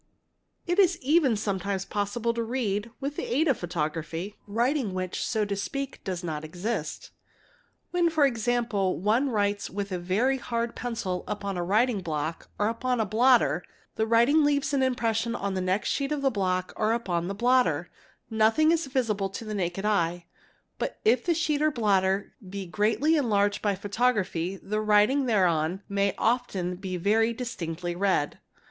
. It is even sometimes possible to read, with the aid of photography, writing which, so. to speak, does not exist. When for example, one writes with a very hard pencil upon a writing block or upon a blotter, the writing leaves an impression on the next sheet of the block or upon the blotter; nothing is visible to the naked eye, but if the sheet or blotter be greatly enlarged by photography the writing thereon may often be very distinctly read.